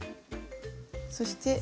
そして。